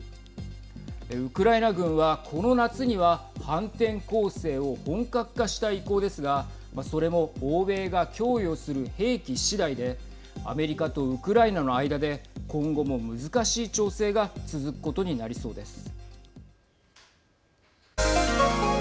ウクライナ軍は、この夏には反転攻勢を本格化したい意向ですがそれも欧米が供与する兵器しだいでアメリカとウクライナの間で今後も難しい調整が続くことになりそうです。